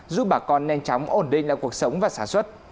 giúp bà con nhanh chóng ổn định lại cuộc sống và sản xuất